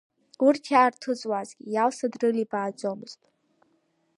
Урҭ иаарҭыҵуазгьы Иалса дрылибааӡомызт.